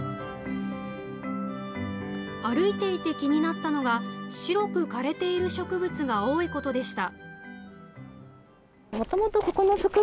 歩いていて気になったのが白く枯れている植物が多いことでした。